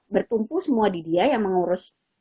bertumpu semua di dia yang mengurus